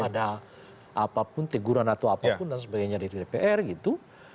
ada apapun teguran atau apapun dan sebagainya dari dpr gitu